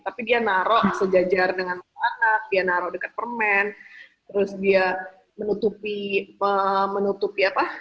tapi dia naruh sejajar dengan anak dia naruh dekat permen terus dia menutupi menutupi apa